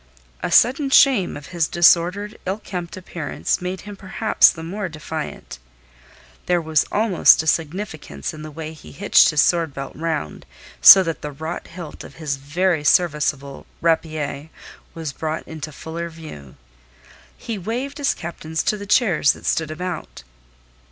A sudden shame of his disordered, ill kempt appearance made him perhaps the more defiant. There was almost a significance in the way he hitched his sword belt round, so that the wrought hilt of his very serviceable rapier was brought into fuller view. He waved his captains to the chairs that stood about.